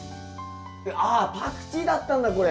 ああパクチーだったんだこれ。